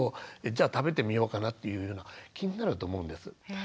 じゃあ食べてみようかなっていうような気になると思うんです。